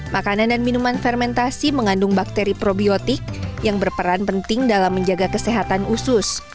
makanan dan minuman fermentasi mengandung bakteri probiotik yang berperan penting dalam menjaga kesehatan usus